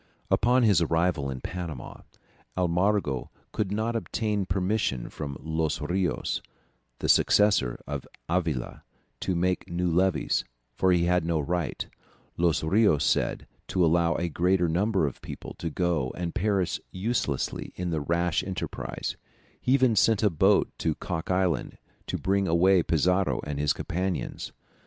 ] Upon his arrival in Panama, Almagro could not obtain permission from Los Rios, the successor of Avila, to make new levies, for he had no right, Los Rios said, to allow a greater number of people to go and perish uselessly in a rash enterprise; he even sent a boat to Cock Island to bring away Pizarro and his companions.